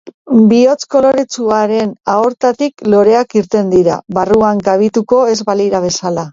Bihotz koloretsuaren aortatik loreak irten dira, barruan kabituko ez balira bezala.